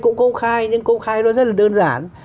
cũng công khai nhưng công khai nó rất là đơn giản